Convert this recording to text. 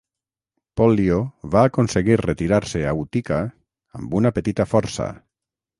Pollio va aconseguir retirar-se a Utica amb una petita força.